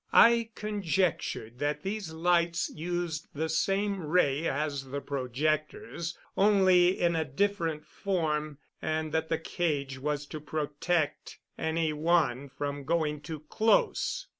I conjectured that these lights used the same ray as the projectors, only in a different form, and that the cage was to protect any one from going too close.